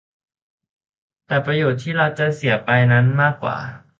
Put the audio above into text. แต่ประโยชน์ที่รัฐจะเสียไปนั้นมากกว่า